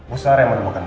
usahanya menemukan rena